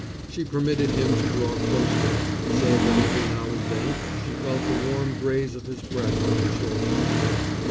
She permitted him to draw close to her, so that every now and then she felt the warm graze of his breath on her shoulders.